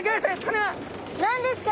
何ですか？